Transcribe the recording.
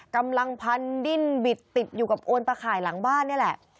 กำลังพันดิ้นบิดติดอยู่กับโอนตะข่ายหลังบ้านนี่แหละ